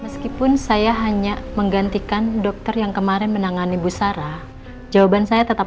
meskipun saya hanya menggantikan dokter yang kemarin menangani busara jawaban saya tetap